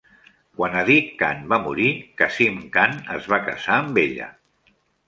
Quan Adik Khan va morir, Kasym Khan es va casar amb ella.